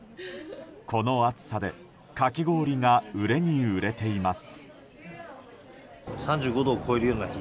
この暑さでかき氷が売れに売れています。